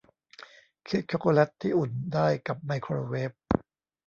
เค้กชอคโกแล็ตที่อุ่นได้กับไมโครเวฟ